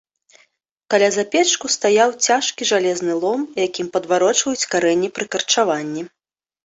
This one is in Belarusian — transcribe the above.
Каля запечку стаяў цяжкі жалезны лом, якім падварочваюць карэнні пры карчаванні.